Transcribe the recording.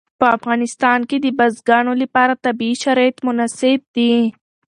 په افغانستان کې د بزګانو لپاره طبیعي شرایط مناسب دي.